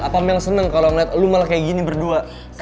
apa mel seneng kalau ngeliat lu malah kayak gini berdua